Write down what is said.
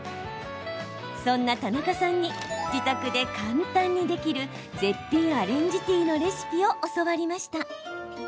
そんな田中さんに自宅で簡単にできる絶品アレンジティーのレシピを教わりました。